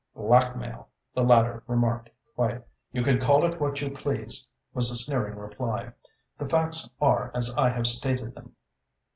"Blackmail," the latter remarked quietly. "You can call it what you please," was the sneering reply. "The facts are as I have stated them."